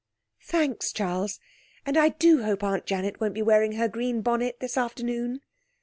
'Thanks, Charles. And I do hope Aunt Janet won't be wearing her green bonnet this afternoon.'